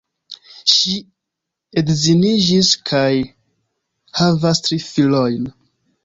Ŝi edziniĝis kaj havas tri filojn.